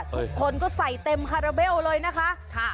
ทุกคนก็ใส่เต็มคาราเบลเลยนะคะ